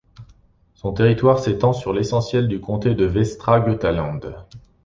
Son territoire s'étend sur l'essentiel du Comté de Västra Götaland.